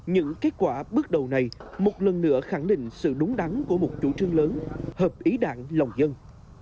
những kết quả bước đầu này một lần nữa khẳng định sự đúng đắn của một chủ trương lớn hợp ý đảng lòng dân